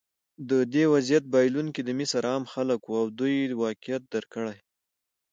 د دې وضعیت بایلونکي د مصر عام خلک وو او دوی واقعیت درک کړی.